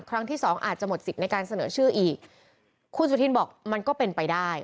ครั้งที่สองอาจจะหมดสิทธิ์ในการเสนอชื่ออีกคุณสุธินบอกมันก็เป็นไปได้